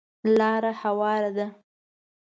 لاره هواره ده .